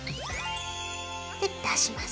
で出します。